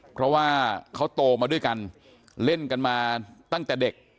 เพราะว่าเขาโตมาด้วยกันเล่นกันมาตั้งแต่เด็ก